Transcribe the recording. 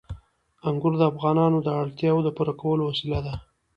انګور د افغانانو د اړتیاوو د پوره کولو وسیله ده.